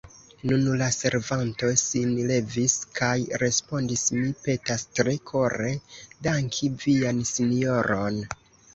Nun la servanto sin levis kaj respondis: Mi petas tre kore danki vian sinjoron.